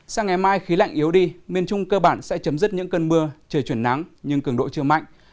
sang ngày mai khí lạnh yếu đi miền trung cơ bản sẽ chấm dứt những cơn mưa trời chuyển nắng nhưng cường độ chưa mạnh